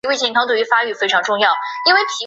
朗罗代克人口变化图示